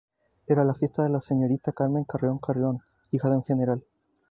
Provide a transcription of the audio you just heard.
Era la fiesta de la señorita Carmen Carreón Carreón, hija de un general.